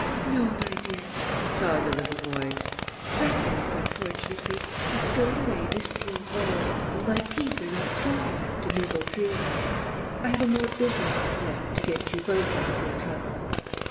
"No, my dear," sighed the little voice. "That note, unfortunately, is stored away in a steel vault, and my teeth are not strong enough to nibble through that. I have a more business like method to get you both out of your troubles.